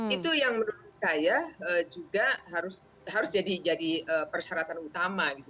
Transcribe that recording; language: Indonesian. itu yang menurut saya juga harus jadi persyaratan utama gitu